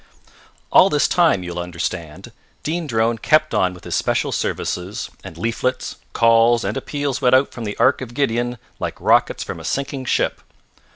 All this time, you will understand, Dean Drone kept on with his special services, and leaflets, calls, and appeals went out from the Ark of Gideon like rockets from a sinking ship.